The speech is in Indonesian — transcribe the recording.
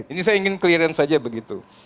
ini saya ingin clearan saja begitu